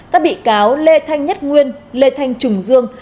các bị cáo lê thanh nhất nguyên lê thanh trùng dương